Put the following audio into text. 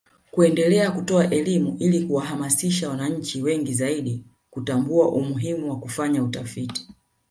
kuendelea kutoa elimu ili kuwahamasisha wananchi wengi zaidi kutambua umuhimu wa kufanya utalii